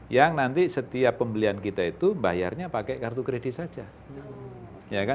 yang nanti setiap pembelian kita itu bayarnya pakai kartu kredit saja